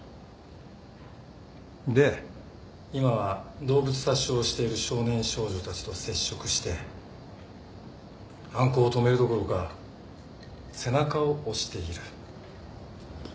で今は動物殺傷をしている少年少女たちと接触して犯行を止めるどころか背中を押している。